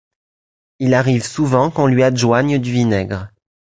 Il arrive souvent qu'on lui adjoigne du vinaigre.